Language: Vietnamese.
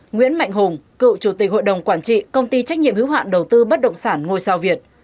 nguyễn mạnh hùng cựu chủ tịch hội đồng quản trị công ty trách nhiệm hữu hoạn đầu tư bất động sản ngôi sao việt